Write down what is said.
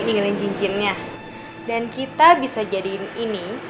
tinggalin cincinnya dan kita bisa jadiin ini